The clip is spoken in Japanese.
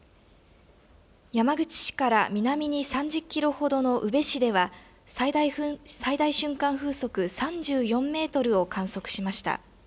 山口市から南に３０キロほどの宇部市では、最大瞬間風速３４メートルを観測しました。